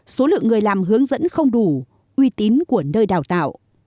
số lượng người làm hướng dẫn không đủ uy tín của nơi đào tạo